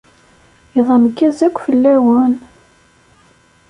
Iḍ ameggaz akk fell-awen.